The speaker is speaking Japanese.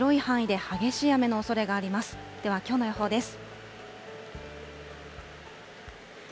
ではきょうの予報です。